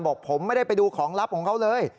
บอกผมไม่ได้ไปดูของลับของเขาเลย